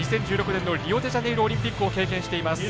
２０１６年のリオデジャネイロオリンピックを経験しています。